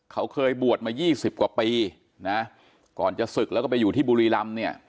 เขาเคยบวชมา๒๐กว่าปีนะก่อนจะศึกแล้วก็ไปอยู่ที่บุรีรำเนี่ย